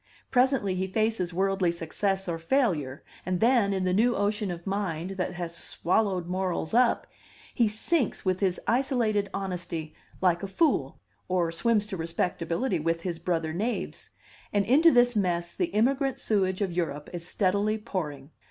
Presently he faces worldly success or failure, and then, in the new ocean of mind that has swallowed morals up, he sinks with his isolated honesty, like a fool, or swims to respectability with his brother knaves. And into this mess the immigrant sewage of Europe is steadily pouring.